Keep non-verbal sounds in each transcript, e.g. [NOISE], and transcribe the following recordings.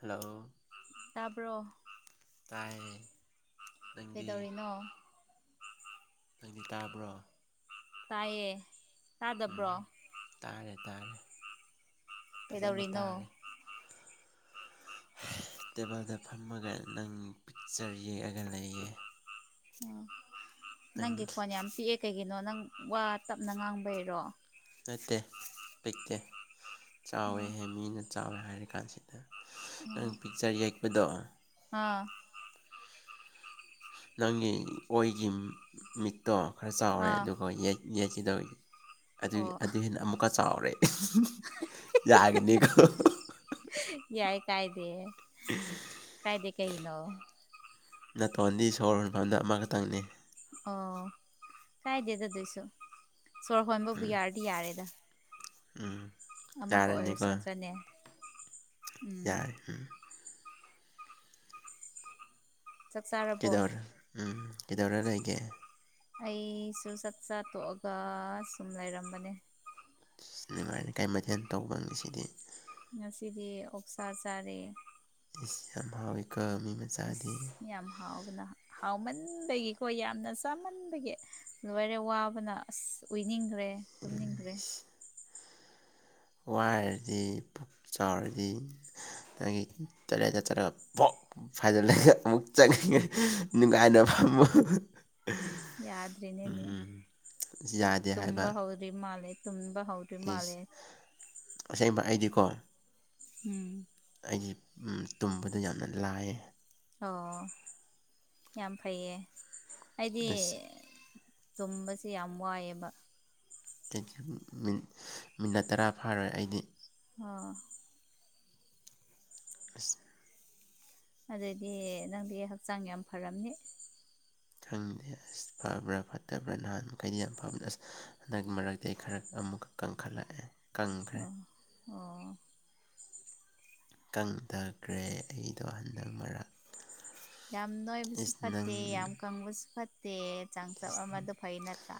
hello ꯇꯥꯕ꯭ꯔꯣ ꯇꯥꯏꯌꯦ ꯅꯪꯗꯤ ꯑꯧ ꯅꯪꯗꯤ ꯇꯥꯕ꯭ꯔꯣ ꯇꯥꯏꯌꯦ ꯎꯝ ꯇꯥꯗꯕ꯭ꯔꯣ ꯇꯥꯔꯦ ꯇꯥꯔꯦ ꯐꯖꯅ ꯀꯩꯗꯧꯔꯤꯅꯣ ꯇꯥꯔꯦ [UNINTELLIGIBLE] ꯇꯦꯕꯜꯗ ꯐꯝꯃꯒ ꯅꯪ ꯄꯤꯛꯆꯔ ꯌꯦꯛꯑꯒ ꯂꯩꯌꯦ ꯑꯣ ꯅꯪꯒꯤ ꯅꯪ ꯈꯣꯟ ꯌꯥꯝ ꯄꯤꯛꯑꯦ ꯀꯩꯒꯤꯅꯣ ꯅꯪ ꯋꯥ ꯇꯞꯅ ꯉꯥꯡꯕꯩꯔꯣ ꯅꯠꯇꯦ ꯂꯩꯇꯦ ꯆꯥꯎꯋꯦꯍꯦ ꯃꯤꯅ ꯆꯥꯎꯋꯦ ꯍꯥꯏꯔꯤ ꯀꯥꯟꯁꯤꯗ ꯎꯝ ꯑꯥ ꯅꯪꯒꯤ ꯑꯣꯏꯒꯤ ꯃꯤꯠꯇꯣ ꯈꯔ ꯆꯥꯎꯔꯦ ꯑꯥ ꯑꯗꯨꯒ ꯌꯦꯠ ꯌꯦꯠꯁꯤꯗ ꯑꯣ ꯑꯗꯨꯒꯤ ꯑꯗꯨ ꯍꯦꯟꯅ ꯑꯃꯨꯛꯀ ꯆꯥꯎꯔꯦ ꯌꯥꯒꯅꯤꯀ ꯌꯥꯏ ꯀꯥꯏꯗꯦ [UNINTELLIGIBLE] ꯀꯥꯏꯗꯦ ꯀꯩꯅꯣ ꯅꯥꯇꯣꯟꯗꯤ ꯁꯣꯔ ꯍꯣꯟꯐꯝꯗ ꯑꯃꯈꯛꯇꯪꯅꯤ ꯑꯣ ꯀꯥꯏꯗꯦꯗ ꯑꯗꯨꯏꯁꯨ ꯁꯣꯔ ꯍꯣꯟꯕꯕꯨ ꯎꯝ ꯌꯥꯔꯗꯤ ꯌꯥꯔꯦꯗ ꯎꯝ ꯑꯃꯈꯛ ꯑꯣꯏꯔꯁꯨ ꯅꯠꯇ꯭ꯔꯅꯦ ꯎꯝ ꯌꯥꯏ ꯎꯝ ꯆꯥꯛ ꯆꯥꯔꯕꯣ ꯀꯦꯗꯧꯔ ꯎꯝ ꯀꯦꯗꯧꯔ ꯂꯩꯒꯦ ꯑꯩꯁꯨ ꯆꯥꯛ ꯆꯥ ꯇꯣꯛꯑꯒ ꯁꯨꯝ ꯂꯩꯔꯝꯕꯅꯦ ꯅꯨꯡꯉꯥꯏꯔꯤ ꯀꯥꯏ ꯃꯊꯦꯜ ꯇꯧꯕ ꯉꯁꯤꯗꯤ ꯉꯁꯤꯗꯤ ꯑꯣꯛꯁꯥ ꯆꯥꯔꯦ ꯏꯁ ꯌꯥꯝ ꯍꯥꯎꯋꯤ ꯀ ꯃꯤ ꯃꯆꯥꯗꯤ ꯑꯁ ꯌꯥꯝ ꯍꯥꯎꯕꯅ ꯍꯥꯎꯃꯟꯕꯒꯤꯀꯣ ꯌꯥꯝꯅ ꯆꯥꯃꯟꯕꯒꯤ ꯂꯣꯏꯔꯦ ꯋꯥꯕꯅ ꯑꯁ ꯎꯅꯤꯡꯈ꯭ꯔꯦ ꯎꯝ ꯋꯥꯏꯔꯗꯤ ꯄꯨꯛ ꯆꯥꯎꯔꯗꯤ ꯅꯪꯒꯤ ꯇꫭꯏꯂꯦꯠꯇ ꯆꯠꯂꯒ ꯄꫭꯛ ꯐꯥꯏꯗꯠꯂꯒ ꯑꯃꯨꯛ ꯆꯪꯅꯤꯡꯉꯦ ꯅꯨꯡꯉꯥꯏꯅ ꯐꯝꯄꯨ ꯌꯥꯗ꯭ꯔꯤ ꯅꯤꯅꯦ ꯌꯥꯗꯦ ꯇꯨꯝꯕ ꯍꯥꯎꯗ꯭ꯔꯤ ꯃꯥꯜꯂꯦ ꯇꯨꯝꯕ ꯍꯥꯎꯗꯔꯤ ꯑꯦꯁ ꯑꯁꯦꯡꯕ ꯑꯩꯗꯤꯀꯣ ꯎꯝ ꯑꯩꯗꯤ ꯎꯝ ꯇꯨꯝꯕꯗ ꯌꯥꯝꯅ ꯂꯥꯏꯌꯦ ꯑꯣ ꯌꯥꯝ ꯐꯩꯌꯦ ꯑꯩꯗꯤ ꯑꯁ ꯇꯨꯝꯕꯁꯦ ꯌꯥꯝ ꯋꯥꯏꯑꯦꯕ ꯃꯤꯅꯤꯠ ꯃꯤꯅꯠ ꯇꯔꯥ ꯐꯥꯔꯣꯏ ꯑꯩꯗꯤ ꯑꯥ ꯑꯁ ꯑꯗꯨꯗꯤ ꯅꯪꯗꯤ ꯍꯛꯆꯥꯡ ꯌꯥꯝ ꯐꯔꯝꯅꯤ ꯈꯪꯗꯦ ꯑꯁ ꯐꯕ꯭ꯔꯥ ꯐꯠꯇꯕ꯭ꯔꯥ ꯅꯍꯥꯟ ꯃꯈꯩꯗꯤ ꯌꯥꯝ ꯐꯕ ꯑꯁ ꯍꯟꯗꯛꯀꯤ ꯃꯔꯛꯇ ꯑꯩ ꯈꯔ ꯑꯃꯨꯛꯀ ꯀꯟꯈꯠꯂꯛꯑꯦ ꯑꯥ ꯑꯣ ꯀꯪꯊꯈ꯭ꯔꯦ ꯑꯩꯗꯣ ꯍꯟꯗꯛ ꯃꯔꯛ ꯌꯥꯝ ꯅꯣꯏꯕꯁꯨ ꯏꯁ ꯅꯪ ꯐꯠꯇꯦ ꯌꯥꯝ ꯀꯪꯕꯁꯨ ꯐꯠꯇꯦ ꯆꯥꯡꯆꯞ ꯏꯁ ꯑꯃꯗꯣ ꯐꯩ ꯅꯠꯇ꯭ꯔꯥ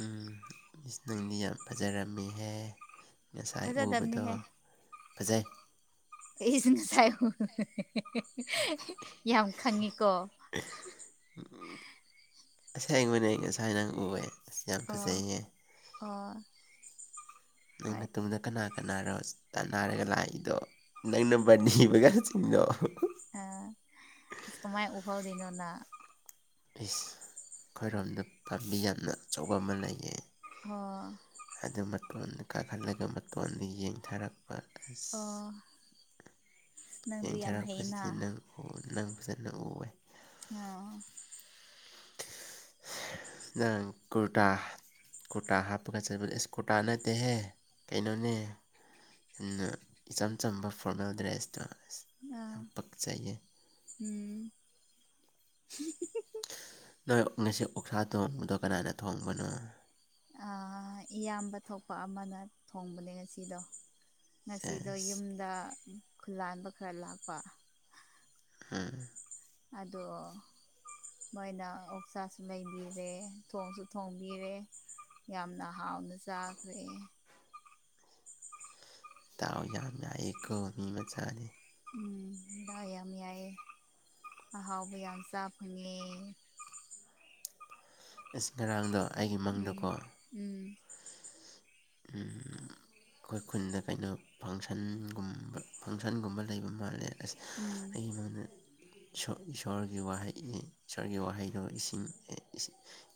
ꯎꯝ ꯏꯁ ꯅꯪꯗꯤ ꯌꯥꯝ ꯐꯖꯔꯝꯃꯤꯍꯦ ꯉꯁꯥꯏ ꯎꯕꯗꯣ ꯐꯖꯗꯕꯅꯤꯍꯦ ꯐꯖꯩ ꯑꯩꯁꯤ ꯉꯁꯥꯏ ꯌꯥꯝ ꯈꯪꯉꯤꯀꯣ ꯑꯁꯦꯡꯕꯅꯦ ꯉꯁꯥꯏ ꯅꯪ ꯎꯑꯦ ꯑꯁ ꯌꯥꯝ ꯑꯣ ꯐꯖꯩꯌꯦ ꯑꯣ ꯍꯣꯏ ꯅꯪꯅ ꯇꯨꯡꯗ ꯀꯅꯥ ꯀꯅꯥꯔꯣ ꯇꯥꯟꯅꯔꯒ ꯂꯥꯛꯏꯗꯣ ꯅꯪ ꯅꯝꯕꯔ ꯅꯤꯕꯒ ꯄꯆꯅ ꯀꯃꯥꯏ ꯎꯍꯧꯔꯤꯅꯣ ꯅꯥꯪ ꯏꯁ ꯑꯩꯈꯣꯏꯔꯣꯝꯗ ꯄꯥꯝꯕꯤ ꯌꯥꯝꯅ ꯑꯆꯧꯕ ꯑꯃ ꯂꯩꯌꯦ ꯑꯣ ꯑꯗꯨ ꯃꯇꯣꯟꯗ ꯀꯥꯈꯠꯂꯒ ꯃꯇꯣꯟꯗ ꯌꯦꯡꯊꯔꯛ ꯑꯣ ꯅꯪꯗꯤ ꯌꯥꯝ ꯍꯩꯅ ꯌꯦꯡꯊꯔꯛꯄꯁꯤꯗꯤ ꯅꯪ ꯅꯪ ꯐꯖꯅ ꯎꯑ ꯑꯣ ꯅꯪ ꯀꯨꯔꯇꯥ ꯀꯨꯔꯇꯥ ꯍꯥꯞꯄꯒ ꯆꯠꯄꯗ ꯑꯦꯁ ꯀꯨꯔꯇꯥ ꯅꯠꯇꯦꯍꯦ ꯀꯩꯅꯣꯅꯦ ꯌꯥꯝꯅ ꯏꯆꯝ ꯆꯝꯕ ꯐꯣꯔꯃꯦꯜ ꯗ꯭ꯔꯦꯁꯇꯣ ꯑꯁ ꯑꯥ ꯌꯥꯝ ꯄꯛꯆꯩꯌꯦ ꯎꯝ ꯅꯣꯏ ꯉꯁꯤ ꯑꯣꯛꯁꯥ ꯊꯣꯡꯕꯗꯣ ꯀꯅꯥꯅ ꯊꯣꯡꯕꯅꯣ ꯏꯌꯥꯝꯕ ꯊꯣꯛꯄ ꯑꯃꯅ ꯊꯣꯡꯕꯅꯦ ꯉꯁꯤꯗꯣ ꯉꯁꯤꯗꯣ ꯁꯦꯁ ꯌꯨꯝꯗ ꯈꯨꯂꯥꯟꯕ ꯈꯔ ꯂꯥꯛꯄ ꯎꯝ ꯑꯗꯣ ꯃꯣꯏꯅ ꯑꯣꯛꯁꯥꯁꯨ ꯂꯩꯕꯤꯔꯦ ꯊꯣꯡꯁꯨ ꯊꯣꯡꯕꯤꯔꯦ ꯌꯥꯝꯅ ꯍꯥꯎꯅ ꯆꯥꯈ꯭ꯔꯦ ꯇꯥꯎ ꯌꯥꯝꯅꯏ ꯀ ꯃꯤ ꯃꯆꯥꯅꯤ ꯎꯝ ꯑ ꯑꯌꯥꯝ ꯃ ꯌꯥꯏ ꯑꯍꯥꯎꯕꯌꯥꯝ ꯆꯐꯨꯉꯤ ꯑꯁ ꯉꯔꯥꯡꯗꯣ ꯑꯩꯒꯤ ꯎꯝ ꯃꯪꯗꯣꯀꯣ ꯎꯝ ꯎꯝ ꯑꯩꯈꯣꯏ ꯈꯨꯟꯗ ꯀꯩꯅꯣ ꯐꯪꯁꯟꯒꯨꯝꯕ ꯐꯪꯁꯟꯒꯨꯝꯕ ꯂꯩꯕ ꯃꯥꯜꯂꯦ ꯑꯁ ꯎꯝ ꯑꯩ ꯏꯃꯅ ꯏꯁꯣꯔꯒꯤ ꯋꯥꯍꯩ ꯏꯁꯣꯔꯒꯤ ꯋꯥꯍꯩꯗꯣ ꯏꯁꯤꯡ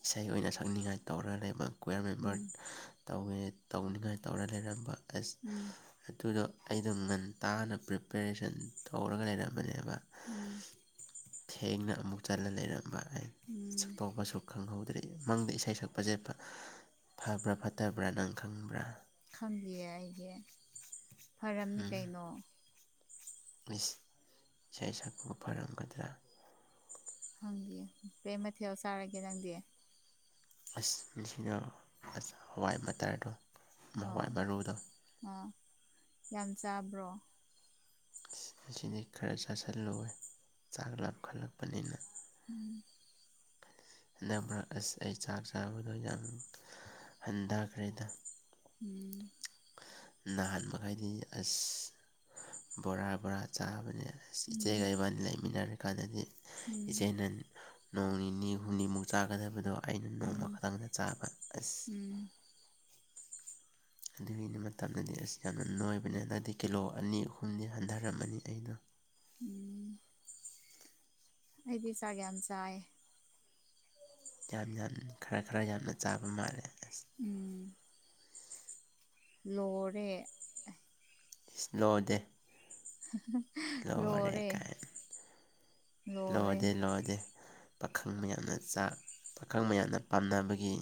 ꯏꯁꯩ ꯑꯣꯏꯅ ꯁꯛꯅꯤꯡꯉꯥꯏ ꯇꯧꯔ ꯂꯩꯕ ꯀꯀ꯭ꯋꯥꯔ ꯃꯦꯝꯕꯔ ꯎꯝ ꯇꯧꯋꯦ ꯇꯧꯅꯤꯡꯉꯥꯏ ꯇꯧꯔ ꯂꯩꯔꯝꯕ ꯑꯁ ꯎꯝ ꯑꯗꯨꯗꯣ ꯑꯩꯗꯣ ꯉꯟ ꯇꯥꯅ ꯄ꯭ꯔꯤꯄꯦꯔꯦꯁꯟ ꯇꯧꯔꯒ ꯂꯩꯔꯝꯕꯅꯦꯕ ꯎꯝ ꯊꯦꯡꯅ ꯑꯃꯨꯛ ꯆꯂ ꯂꯩꯔꯝꯕ ꯑꯩ ꯁ ꯎꯝ ꯇꯣꯛꯄꯁꯨ ꯈꯪꯍꯧꯗ꯭ꯔꯦ ꯃꯪꯗ ꯏꯁꯩ ꯁꯛꯄꯁꯦ ꯐꯕ꯭ꯔꯥ ꯐꯠꯇꯕ꯭ꯔꯥ ꯅꯪ ꯈꯪꯕ꯭ꯔꯥ ꯈꯪꯕꯤꯌꯦ ꯑꯩꯒꯤ ꯐꯔꯝꯅꯤ ꯀꯩꯅꯣ ꯏꯁꯩ ꯁꯛꯄꯕꯨ ꯐꯔꯝꯒꯗ꯭ꯔꯥ ꯍꯪꯒ ꯀꯩ ꯃꯊꯦꯜ ꯆꯥꯔꯒꯦ ꯅꯪꯗꯤ ꯑꯁꯅ ꯍꯋꯥꯏ ꯃꯇꯇꯔꯗꯣ ꯑꯥ ꯍꯋꯥꯏ ꯃꯔꯨꯗꯣ ꯑꯥ ꯌꯥꯝ ꯆꯥꯕ꯭ꯔꯣ ꯃꯁꯤꯗꯤꯩ ꯈꯔ ꯆꯥꯁꯤꯜꯂꯣꯏ ꯆꯥꯛ ꯂꯥꯞꯈꯠꯂꯛꯄꯅꯤꯅ ꯎꯝ ꯟꯛ ꯑꯁ ꯑꯩ ꯆꯥꯛ ꯆꯥꯕꯗꯣ ꯌꯥꯝ ꯍꯟꯊꯈ꯭ꯔꯦꯗ ꯎꯝ ꯅꯍꯥꯟ ꯃꯈꯩꯗꯤ ꯑꯁ ꯕꯣꯔꯥ ꯕꯣꯔꯥ ꯆꯥꯕꯅꯦ ꯑ ꯎꯝ ꯏꯆꯦꯒ ꯏꯕꯥꯅꯤ ꯂꯩꯃꯤꯟꯅꯔ ꯀꯥꯟꯗꯗꯤ ꯎꯝ ꯏꯆꯦꯅ ꯅꯣꯡ ꯅꯤꯅꯤ ꯍꯨꯝꯅꯤꯃꯨꯛ ꯆꯥꯒꯗꯕꯗꯣ ꯑꯩꯅ ꯅꯣꯡꯃ ꯎꯝ ꯈꯛꯇꯪꯗ ꯆꯥꯕ ꯑꯁ ꯎꯝ ꯑꯗꯨꯒꯤꯅꯤ ꯃꯇꯝꯗꯗꯤ ꯑꯁ ꯌꯥꯝꯅ ꯅꯣꯏꯕꯅꯦ ꯍꯟꯗꯛꯇꯗꯤ ꯀꯤꯂꯣ ꯑꯅꯤ ꯑꯍꯨꯝꯗꯤ ꯍꯟꯊꯔꯝꯃꯅꯤ ꯑꯩꯗꯣ ꯎꯝ [UNINTELLIGIBLE] [INAUDIBLE] ꯑꯩꯗꯤ ꯆꯥꯛ ꯀ ꯌꯥꯝ ꯆꯥꯏ ꯌꯥꯝ ꯌꯥꯝ ꯈꯔ ꯈꯔ ꯌꯥꯝꯅ ꯆꯥꯕ ꯃꯥꯜꯂꯦ ꯑꯁ ꯎꯝ [UNINTELLIGIBLE] [INAUDIBLE] ꯂꯣꯔꯦ [UNINTELLIGIBLE] [INAUDIBLE] ꯏꯁꯂꯣ ꯗꯦ [UNINTELLIGIBLE] [INAUDIBLE] [UNINTELLIGIBLE] [INAUDIBLE] ꯂꯔꯦ ꯀꯥꯏ ꯂꯣꯔꯦ ꯂꯣꯗꯦ ꯂꯣꯗꯦ [INAUDIBLE] ꯄꯥꯈꯪ ꯃꯌꯥꯝꯅ ꯆꯥꯛ ꯄꯥꯈꯪ ꯃꯌꯥꯝꯅ ꯄꯥꯝꯅꯕꯒꯤ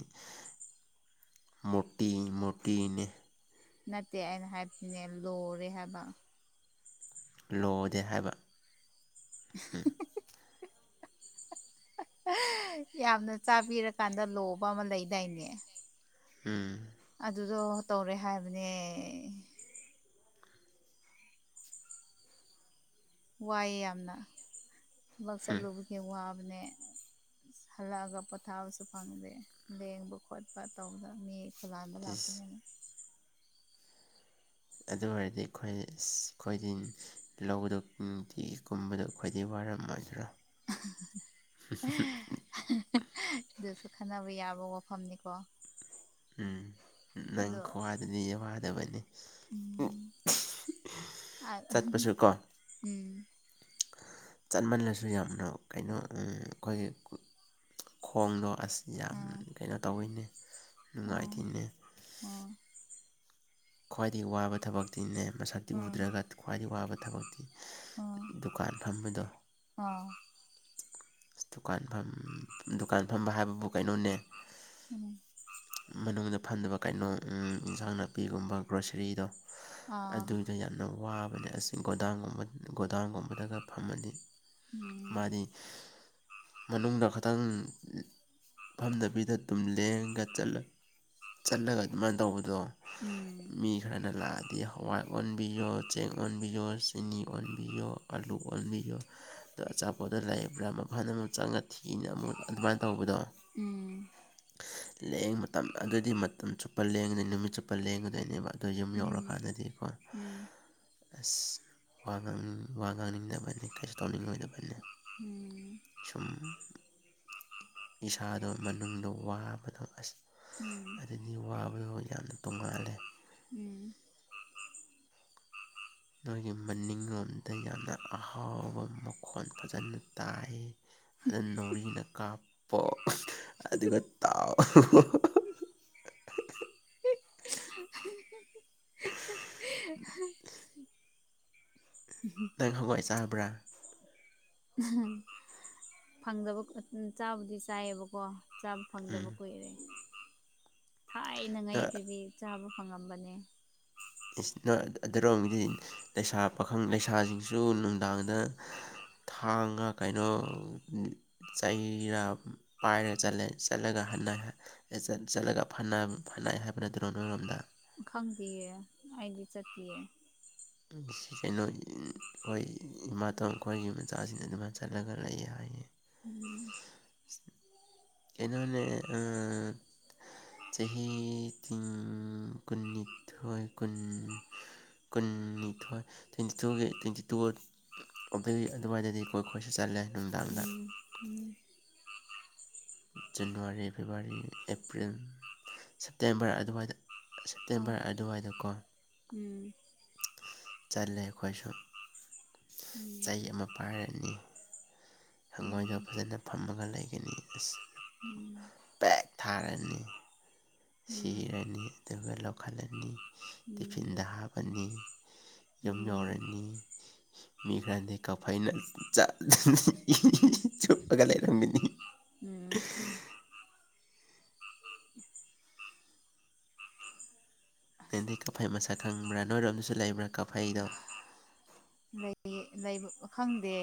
ꯃꯣꯇꯤ ꯃꯣꯇꯅꯦ ꯅꯠꯇꯦ ꯑꯩꯅ ꯍꯥꯏꯕꯕꯁꯤꯅꯦ ꯂꯔꯦ ꯍꯥꯏꯕ ꯂꯣꯗꯦ ꯍꯥꯏꯕ [INAUDIBLE] [UNINTELLIGIBLE] [INAUDIBLE] ꯌꯥꯝꯅ ꯆꯥꯕꯤꯔꯀꯥꯟꯗ ꯂꯣꯕ ꯑꯃ ꯂꯩꯗꯥꯏꯅꯦ ꯑꯥ [UNINTELLIGIBLE] [INAUDIBLE] ꯑꯗꯨꯗꯣ ꯇꯧꯔꯦ ꯍꯥꯏꯕꯅꯦ ꯋꯥꯏꯑꯦ ꯌꯥꯝꯅ ꯊꯕꯛ ꯆꯠꯂꯨꯕꯒꯤ ꯋꯥꯕꯅꯦ ꯍꯜꯂꯛꯑꯒ ꯄꯣꯊꯥꯕꯁꯨ ꯐꯪꯗꯦ ꯂꯦꯡꯕ ꯈꯣꯠꯄ ꯇꯧꯕꯗ ꯃꯤ ꯈꯨꯂꯥꯏꯕꯂ ꯏꯁ ꯈꯅꯦꯅ ꯑꯗꯨ ꯑꯣꯏꯔꯗꯤ ꯑꯩꯈꯣꯏ ꯑꯩꯈꯣꯏꯗꯤ ꯂꯧꯗꯨ ꯅꯨꯡꯇꯤꯒꯤ ꯀꯨꯝꯕꯗꯣ ꯑꯩꯈꯣꯏꯗꯤ ꯋꯥꯔꯝ ꯃꯥꯖꯔꯥ [UNINTELLIGIBLE] [INAUDIBLE] ꯑꯗꯨꯁꯨ ꯈꯟꯅꯕ ꯌꯥꯕ ꯋꯥꯐꯝꯅꯤꯀꯣ ꯎꯝ ꯅꯪ ꯑꯗꯣ ꯈ꯭ꯋꯥꯗꯗꯤ ꯋꯥꯗꯕꯅꯤ ꯎꯝ ꯑ ꯆꯠꯄꯁꯨ ꯀꯣ ꯎꯝ [UNINTELLIGIBLE] [INAUDIBLE] ꯆꯠꯃꯜꯂꯁꯨ ꯌꯥꯝꯅ ꯀꯩꯅꯣ ꯑꯩꯈꯣꯏꯒꯤ ꯈꯣꯡꯗꯣ ꯑꯁ ꯌꯥꯝ ꯑꯥ ꯀꯩꯅꯣ ꯇꯧꯋꯤꯅꯦ ꯅꯨꯡꯉꯥꯏꯇꯣꯏꯅꯦ ꯑꯣ [UNINTELLIGIBLE] [INAUDIBLE] ꯈ꯭ꯋꯥꯏꯗꯒꯤ ꯋꯥꯕ ꯊꯕꯛ ꯛꯇꯤꯅꯦ ꯃꯁꯛꯇꯤ ꯎꯗ꯭ꯔꯒ ꯈ꯭ꯋꯥꯏꯗꯗꯒꯤ ꯋꯥꯕ ꯊꯕꯛꯇꯤ ꯗꯨꯀꯥꯟ ꯐꯝꯕꯗꯣ ꯑꯥ [UNINTELLIGIBLE] [INAUDIBLE] ꯑ ꯗꯨꯀꯥꯟ ꯗꯨꯀꯥꯟ ꯐꯝꯕ ꯍꯥꯏꯕꯕꯨ ꯀꯩꯅꯣꯅꯦ ꯎꯝ ꯎꯝ ꯃꯅꯨꯡꯗ ꯐꯟꯗꯕ ꯀꯩꯅꯣ ꯏꯟꯁꯥꯡ ꯅꯥꯄꯤꯒꯨꯝꯕ ꯒ꯭ꯔꯣꯁꯔꯤꯗꯣ ꯑꯥ ꯎꯝ ꯑꯥ ꯑꯗꯨꯏꯗꯣ ꯌꯥꯝꯅ ꯋꯥꯕꯅꯦ ꯑꯁꯤ ꯒꯣꯗꯥꯡꯒꯨꯝꯕꯗ ꯒꯣꯗꯥꯎꯟꯒꯨꯝꯕꯗꯒ ꯐꯝꯃꯅꯤ ꯎꯝ ꯃꯥꯗꯤ ꯃꯅꯨꯡꯗ ꯈꯤꯇꯪ ꯐꯝꯗꯕꯤꯗ ꯑꯗꯨꯝ ꯂꯦꯡꯒ ꯆꯠꯂꯒ ꯑꯗꯨꯃꯥꯏꯅ ꯇꯧꯕꯗꯣ ꯎꯝ ꯃꯤ ꯈꯔꯅ ꯂꯥꯛꯑꯗꯤ ꯍꯋꯥꯏ ꯑꯣꯟꯕꯤꯌꯣ ꯆꯦꯡ ꯑꯣꯟꯕꯤꯌꯣ ꯆꯤꯅꯤ ꯑꯣꯟꯕꯤꯌꯣ ꯑꯥꯂꯨ ꯑꯣꯟꯕꯤꯌꯣ ꯑꯗꯣ ꯑꯆꯥꯄꯣꯠꯠꯇ ꯂꯥꯏꯌꯦꯕ꯭ꯔꯥ ꯑꯃ ꯐꯅ ꯑꯃꯛ ꯆꯪꯉ ꯊꯤꯅ ꯑꯃꯨꯛ ꯑꯗꯨꯃꯥꯏꯅ ꯇꯧꯕꯗꯣ ꯎꯝ ꯂꯦꯡ ꯃꯇꯝ ꯑꯗꯨꯗꯤ ꯃꯇꯝ ꯆꯨꯞꯄ ꯂꯦꯡꯒꯗꯣꯏ ꯅꯨꯃꯤꯠ ꯆꯨꯞꯄ ꯂꯦꯡꯒꯗꯣꯏꯅꯦꯕ ꯑꯗꯣ ꯌꯨꯝ ꯎꯝ ꯌꯧꯔꯀꯥꯟꯗꯗꯤꯀꯣ ꯎꯝ ꯑꯁ ꯋꯥ ꯉꯥꯡꯅꯤꯡ ꯋꯥ ꯉꯥꯡꯅꯤꯡꯗꯕꯅꯤ ꯀ ꯇꯧꯅꯤꯡꯗꯕ ꯎꯝ ꯁꯨꯝ ꯏꯁꯥꯗꯣ ꯃꯅꯨꯡꯗꯣ ꯋꯥꯕꯗꯣ ꯑꯁ ꯎꯝ ꯑꯦꯅꯤ ꯋꯥꯕꯗꯣ ꯌꯥꯝꯅ ꯇꯣꯡꯉꯥꯜꯂꯦ ꯎꯝ ꯅꯣꯏꯒꯤ ꯃꯅꯤꯡꯂꯣꯝꯗ ꯌꯥꯝꯅ ꯑꯍꯥꯎꯕ ꯃꯈꯣꯟ ꯐꯖꯅ ꯇꯥꯏ ꯑꯗꯨ ꯅꯣꯔꯤꯅ ꯀꯥꯞꯄꯣ ꯑꯗꯨꯒ ꯇꯥꯎ [UNINTELLIGIBLE] ꯅꯪ ꯍꯉꯣꯏ ꯆꯕ꯭ꯔꯥ ꯐꯪꯗꯕ ꯆꯥꯕꯨꯗꯤ ꯆꯥꯏꯌꯦꯕꯀꯣ ꯐꯪꯗꯕ ꯎꯝ ꯀꯨꯏꯔꯦ ꯅꯣꯏ ꯊꯥꯏꯅꯉꯩꯗꯗꯤ ꯆꯥꯕ ꯐꯪꯉꯝꯕꯅꯦ ꯢꯁ ꯅꯣꯢ ꯑꯗꯨꯔꯣꯝꯒꯤꯗꯤ ꯂꯩꯁꯥ ꯄꯥꯈꯪ ꯂꯩꯁꯥꯁꯤꯡꯁꯨ ꯅꯨꯡꯗꯥꯡꯗ ꯊꯥꯡꯉ ꯀꯩꯅꯣ ꯆꯩꯔ ꯄꯥꯏꯔ ꯆꯠꯂꯦ ꯆꯠꯂꯒ ꯍꯟꯅ ꯑꯦꯖꯟ ꯆꯠꯂꯒ ꯐꯅ ꯐꯅꯩ ꯍꯥꯏꯕ ꯅꯠꯇꯔꯣ ꯅꯣꯏ ꯔꯣꯝꯗ ꯈꯪꯗꯌꯦ ꯑꯩꯗꯤ ꯆꯠꯇꯤꯌꯦ ꯁꯤ ꯀꯩꯅꯣ ꯑꯩꯈꯣꯏ ꯏꯃꯥꯇꯣꯟ ꯑꯩꯈꯣꯏꯒꯤ ꯃꯆꯥꯁꯤꯅ ꯑꯗꯨꯃꯥꯏꯅ ꯆꯠꯂꯒ ꯂꯩꯌꯦ ꯍꯥꯏꯌꯦ ꯎꯝ ꯀꯩꯅꯣꯅꯦ ꯑꯥ ꯆꯍꯤ ꯎꯜ ꯀꯨꯟꯅꯤꯊꯣꯏ ꯀꯨꯟ ꯀꯨꯟꯅꯤꯊꯣꯏ ꯇ꯭ꯋꯦꯟꯇꯤ ꯇꯨꯒꯤ ꯇ꯭ꯋꯦꯟꯇꯤ ꯇꯨ ꯑꯗꯨꯒꯤ ꯑꯗꯨꯋꯥꯏꯗꯗꯤ ꯈꯣꯢ ꯀꯣꯏꯆꯠ ꯆꯠꯂꯦ ꯅꯨꯡꯗꯥꯡꯗ ꯎꯝ ꯎꯝ ꯖꯅꯋꯥꯔꯤ ꯐꯦꯕꯋꯥꯔꯤ ꯑꯦꯄ꯭ꯔꯤꯜ ꯁꯦꯞꯇꯦꯝꯕꯔ ꯑꯗꯨꯋꯥꯏꯗ ꯑꯥ ꯁꯦꯞꯇꯦꯝꯕꯔ ꯑꯗꯨꯋꯥꯏꯗ ꯀꯣ ꯎꯝ ꯆꯠꯂꯦ ꯑꯩꯈꯣꯏꯁꯨ ꯆꯩ ꯑꯃ ꯄꯥꯏꯔꯅꯤ ꯎꯝ ꯍꯪꯉꯣꯏꯗꯣ ꯐꯖꯅ ꯐꯝꯃꯒ ꯂꯩꯒꯅꯤ ꯑꯁ ꯎꯝ ꯄꯦꯛ ꯊꯥꯔꯅꯤ ꯎꯝ ꯎꯝ ꯁꯤꯔꯅꯤ ꯑꯗꯨꯒ ꯂꯧꯈꯠꯂꯅꯤ ꯎꯝ ꯇꯤꯐꯤꯟꯗ ꯍꯥꯞꯄꯅꯤ ꯌꯨꯝ ꯎꯝ ꯌꯧꯔꯅꯤ ꯃꯤ ꯈꯔꯗꯤ ꯀꯐꯩꯅ ꯆꯠꯂꯅꯤ ꯏ ꯎꯝ ꯎꯝ ꯆꯨꯞꯂꯒ ꯂꯩꯔꯝꯒꯥꯅꯤ ꯎꯝ ꯑꯁ ꯅꯪꯗꯤ ꯀꯥꯐꯩ ꯃꯁꯛ ꯈꯪꯕ꯭ꯔꯥ ꯅꯣꯏ ꯔꯣꯝꯗꯁꯨ ꯂꯩꯕ꯭ꯔꯥ ꯀꯥꯐꯩ ꯂꯩ ꯂꯩꯕꯨ ꯈꯪꯗꯦ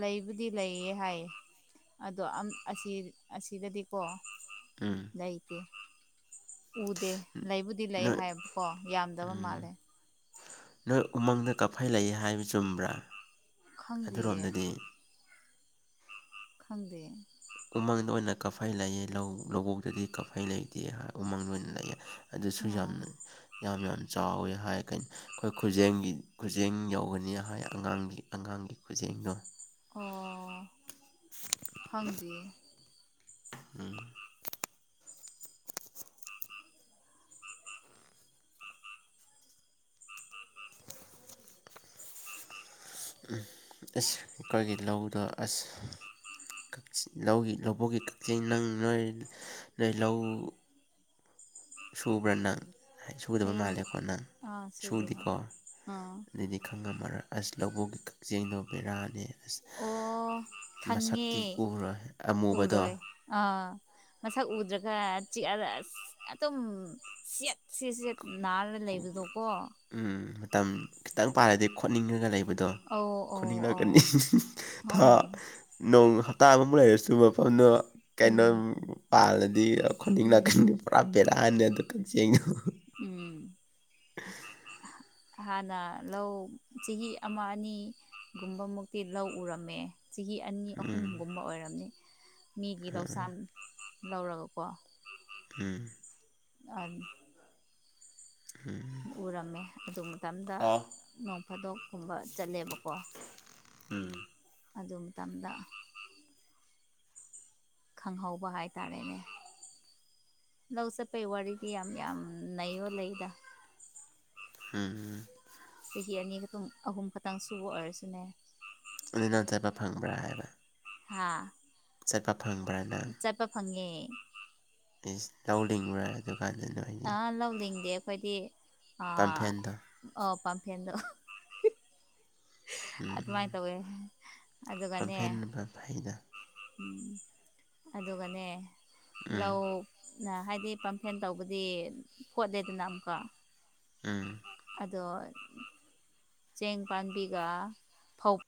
ꯂꯩꯕꯨꯗꯤ ꯂꯩꯌꯦ ꯍꯥꯏꯌꯦ ꯑꯗꯣ ꯑꯝ ꯑꯁꯤ ꯑꯁꯤꯗꯗꯤꯀꯣ ꯎꯝ ꯂꯩꯇꯦ ꯎꯗꯦ ꯂꯩꯕꯨꯗꯤ ꯂꯩ ꯅꯣꯏ ꯍꯥꯏꯌꯦꯕꯀꯣ ꯌꯥꯝꯗꯕ ꯎꯝ ꯃꯥꯜꯂꯦ ꯅꯣꯏ ꯎꯃꯪꯗ ꯀꯞꯐꯩ ꯂꯩꯌꯦ ꯍꯥꯏꯌꯦ ꯆꯨꯝꯕ꯭ꯔꯥ ꯈꯪꯗꯤꯌꯦ ꯑꯗꯨꯔꯣꯝꯗꯗꯤ ꯈꯪꯗꯦ ꯎꯃꯪꯗ ꯑꯣꯏꯅ ꯀꯥꯐꯩ ꯂꯩꯌꯦ ꯂꯧ ꯂꯧꯕꯣꯛꯇꯗꯤ ꯀꯥꯐꯩ ꯂꯩꯇꯦ ꯎꯃꯪꯗ ꯑꯣꯏꯅ ꯂꯩꯑꯦ ꯑꯗꯨꯁꯨ ꯑꯣ ꯌꯥꯝꯅ ꯌꯥꯝ ꯌꯥꯝ ꯆꯥꯎꯋꯦ ꯍꯥꯏꯔ ꯀꯩꯅ ꯑꯩꯈꯣꯏ ꯈꯨꯖꯦꯡꯒꯤ ꯈꯨꯖꯦꯡ ꯌꯧꯒꯅꯤ ꯍꯥꯏ ꯑꯉꯥꯡꯒꯤ ꯑꯉꯥꯡꯒꯤ ꯈꯨꯖꯦꯡꯗꯣ ꯑꯣ ꯈꯪꯗꯤꯌꯦ ꯎꯝ [INAUDIBLE] ꯎꯝ ꯑꯁ ꯑꯩꯈꯣꯏꯒꯤ ꯂꯧꯗꯣ ꯑꯁ ꯂꯧꯒꯤ ꯂꯧꯕꯨꯛꯒꯤ ꯀꯛꯆꯤꯡ ꯅꯪ ꯅꯣꯏ ꯅꯣꯏ ꯂꯧ ꯁꯨꯕ꯭ꯔ ꯅꯪ ꯍꯥꯏꯗꯤ ꯁꯨꯗꯕ ꯑꯩ ꯃꯥꯜꯂꯦꯀꯣ ꯅꯪ ꯑꯥ ꯁꯨꯒꯤ ꯍꯣꯏ ꯁꯨꯗꯤꯀꯣ ꯑꯥ ꯑꯗꯨꯗꯤ ꯈꯪꯉꯝꯃꯔꯣꯏ ꯑꯁ ꯂꯧꯕꯨꯛꯒꯤ ꯀꯛꯆꯤꯡꯗꯣ ꯕꯦꯔꯥꯅꯦ ꯑꯁ ꯑꯣ ꯈꯪꯉꯦ ꯃꯁꯛꯇꯤ ꯎꯔꯣꯏ ꯑꯃꯨꯕꯗꯣ ꯎꯔꯣꯏ ꯑꯥ ꯃꯁꯥꯛ ꯎꯗ꯭ꯔꯒ ꯆꯤꯛꯑꯒ ꯑꯁ ꯑꯗꯨꯝ ꯁꯦꯠ ꯁꯦꯠꯁꯦ ꯅꯥꯔ ꯂꯩꯕꯗꯣꯀꯣ ꯎꯝ ꯃꯇꯝ ꯈꯤꯇꯪ ꯄꯥꯔꯗꯤ ꯈꯣꯠꯅꯤꯡꯉꯒ ꯂꯩꯕ ꯍꯥꯏꯗꯣ ꯑꯧ ꯑꯧ ꯑꯧ ꯈꯣꯅꯤꯡꯂꯛꯀꯅꯤ [UNINTELLIGIBLE] ꯊꯥ ꯑꯧ ꯅꯣꯡ ꯍꯞꯇꯥ ꯑꯃꯃꯨꯛ ꯂꯩꯔꯁꯤ [UNINTELLIGIBLE] ꯀꯩꯅꯣ ꯎꯝ ꯄꯥꯜꯂꯗꯤ ꯈꯣꯅꯤꯡ ꯎꯝ ꯂꯥꯛꯀꯟꯗꯤ ꯄꯨꯔꯥ ꯕꯦꯔꯥꯅꯤ ꯑꯗꯨ ꯀꯛꯆꯤꯡꯗꯨ ꯎꯝ ꯍꯥꯟꯅ ꯂꯧ ꯆꯍꯤ ꯑꯃ ꯑꯅꯤ ꯒꯨꯝꯕ ꯃꯨꯛꯇꯤ ꯂꯧ ꯎꯔꯝꯃꯦ ꯆꯍꯤ ꯑꯅꯤ ꯎꯝ ꯑꯍꯨꯝꯒꯨꯝꯕ ꯑꯣꯏꯔꯝꯅꯤ ꯃꯤꯒꯤ ꯂꯧꯁꯥꯟ ꯂꯧꯔꯒ ꯀꫭ ꯎꯝ ꯑꯝ ꯎꯔꯝꯃꯦ ꯑꯗꯨ ꯃꯇꯝꯗ ꯑꯣ ꯅꯣꯡ ꯐꯥꯗꯣꯛꯀꯨꯝꯕ ꯆꯠꯂꯦꯕꯀꯣ ꯎꯝ ꯑꯗꯨ ꯃꯇꯝꯗ ꯈꯪꯍꯧꯕ ꯍꯥꯏꯇꯥꯔꯦꯅꯦ ꯂꯧꯁꯄꯩ ꯋꯥꯔꯤꯗꯤ ꯌꯥꯝ ꯌꯥꯝ ꯅꯩꯕ ꯂꯩꯗ ꯎꯝ ꯆꯍꯤ ꯑꯅꯤꯈꯛꯇꯪ ꯑꯍꯨꯝ ꯈꯛꯇꯪ ꯁꯨꯕ ꯑꯣꯏꯔꯁꯨꯅꯦ ꯑꯗꯨ ꯅꯪ ꯆꯦꯠꯕ ꯐꯪꯕ꯭ꯔꯥ ꯍꯥꯏꯕ ꯍꯥꯥ ꯆꯠꯄ ꯐꯪꯕ꯭ꯔ ꯅꯪ ꯐꯪꯉꯦ ꯏꯁ ꯂꯧ ꯂꯤꯡꯕ꯭ꯔꯥ ꯑꯗꯨ ꯑ ꯂꯧꯅꯤꯡꯗꯦ ꯑꯩꯈꯣꯏꯗꯤ ꯑ ꯄꯥꯝꯐꯦꯟꯗꯣ ꯑꯣ ꯄꯝꯄꯦꯟ ꯑꯗꯨ ꯑꯃꯥꯏ ꯎꯝ ꯇꯧꯋꯦ ꯑꯗꯨꯒꯅꯦ ꯌꯥꯝ ꯐꯩꯗ ꯎꯝ ꯑꯗꯨꯒꯅꯦ ꯎꯝ ꯂꯧ ꯍꯥꯏꯗꯤ ꯄꯝꯐ꯭ꯂꯦꯟ ꯇꯧꯕꯗꯤ ꯐꯣꯠꯂꯦꯗꯅ ꯑꯃꯨꯛꯀ ꯎꯝ ꯑꯗꯣ ꯆꯦꯡ ꯄꯥꯝꯕꯤꯒ ꯐꯧ